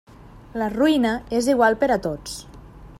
La ruïna és igual per a tots.